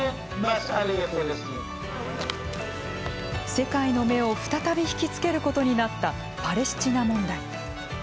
世界の目を再び引き付けることになったパレスチナ問題。